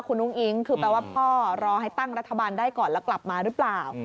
คุณอุ้งอิ๊งคือแปลว่าพ่อรอให้ตั้งรัฐบาลได้ก่อนแล้วกลับมาหรือเปล่า